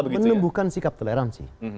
menembuhkan sikap toleransi